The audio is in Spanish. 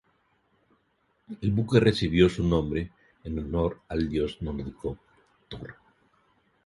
El buque recibió su nombre en honor al dios nórdico Thor.